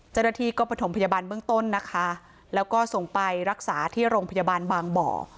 เจ้าหน้าที่ก็ประถมพยาบาลเบื้องต้นนะคะแล้วก็ส่งไปรักษาที่โรงพยาบาลบางบ่อ